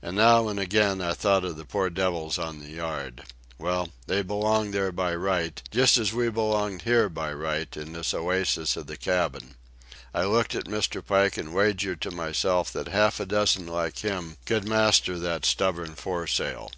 And now and again I thought of the poor devils on the yard. Well, they belonged there by right, just as we belonged here by right in this oasis of the cabin. I looked at Mr. Pike and wagered to myself that half a dozen like him could master that stubborn foresail.